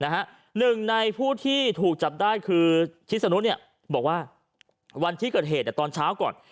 หนึ่งในผู้ที่ถูกจับได้คือชิสนุบอกว่าวันที่เกิดเหตุตอนเช้าก่อน